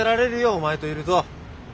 お前といると。